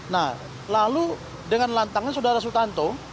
nah lalu dengan lantangnya sudara sutanto